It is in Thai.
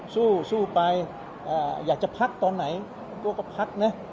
สู้ไปอยากจะพักตอนไหนตัวก็พักนะ